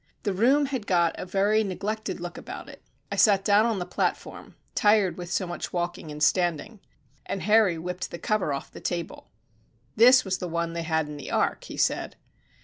The room had got a very neglected look about it. I sat down on the platform tired with so much walking and standing and Harry whipped the cover off the table. "This was the one they had in the Ark," he said.